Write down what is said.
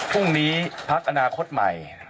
พรุ่งนี้พักอนาคตใหม่